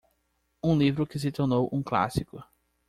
um livro que se tornou um clássico.